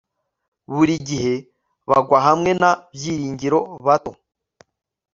Buri gihe bagwa hamwe na Byiringiro bato